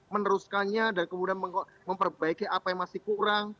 meneruskannya dan kemudian memperbaiki apa yang masih kurang